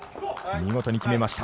見事に決めました。